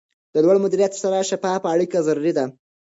د لوړ مدیریت سره شفافه اړیکه ضروري ده.